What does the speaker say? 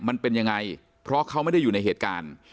มันเป็นยังไงเพราะเขาไม่ได้อยู่ในเหตุการณ์